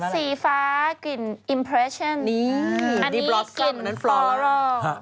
สีฟ้ากลิ่นอิมเพรชเช่นอันนี้กลิ่นฟอรอล